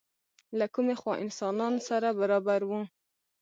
له کومې خوا انسانان سره برابر وو؟